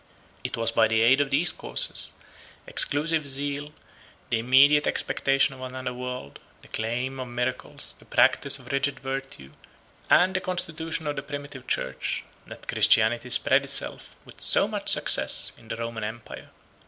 It was by the aid of these causes, exclusive zeal, the immediate expectation of another world, the claim of miracles, the practice of rigid virtue, and the constitution of the primitive church, that Christianity spread itself with so much success in the Roman empire.